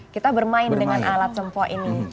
kita bermain dengan alat tempok ini